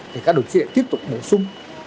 thì các đồng chí lại tiếp tục bổ sung